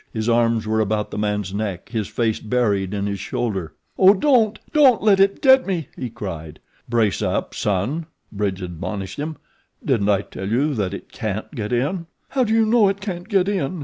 His arms were about the man's neck, his face buried in his shoulder. "Oh, don't don't let it get me!" he cried. "Brace up, son," Bridge admonished him. "Didn't I tell you that it can't get in?" "How do you know it can't get in?"